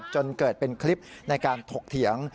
จนเกิดเป็นคลิปในการถกเถียง